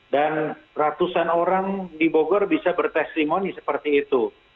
dan ratusan orang di bogor bisa bertestimoni seperti itu